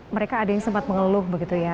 mereka ada yang sempat mengeluh begitu ya